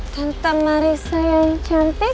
tentang marissa yang cantik